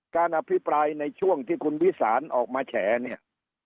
การอภิปรายในช่วงที่คุณวิสานออกมาแฉเนี่ย